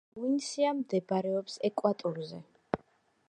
პროვინცია მდებარეობს ეკვატორზე.